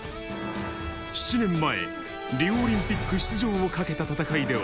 ７年前、リオオリンピック出場をかけた戦いでは。